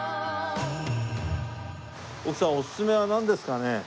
奥さんおすすめはなんですかね？